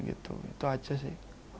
itu aja sih